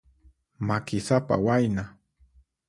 Makisapa wayna.